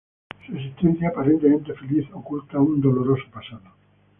Su existencia aparentemente feliz oculta un doloroso pasado.